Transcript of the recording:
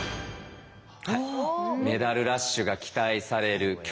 メダルラッシュが期待される競泳。